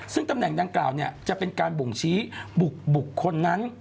ซึ่งตำแหน่งดังกล่าวจะเป็นการบ่งชี้บุคคลนั้น